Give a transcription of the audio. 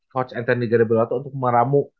coach anthony garibato untuk meramu